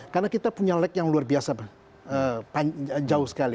karena kita punya lag yang luar biasa jauh sekali